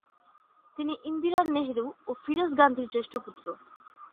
তিনি ইন্দিরা নেহেরু ও ফিরোজ গান্ধীর জ্যৈষ্ঠ পুত্র।